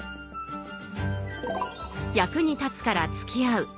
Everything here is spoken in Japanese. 役に立つからつきあう